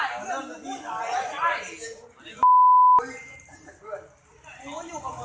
กลับมาเช็ดตาของมอง